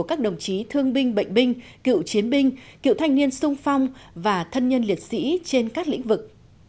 các đồng chí thương binh bệnh binh cựu chiến binh cựu thanh niên sung phong và thân nhân liệt sĩ trên các lĩnh vực